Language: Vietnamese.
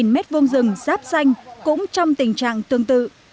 ba m hai rừng ráp xanh cũng trong tình trạng tương tự